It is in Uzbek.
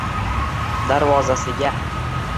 darvozasiga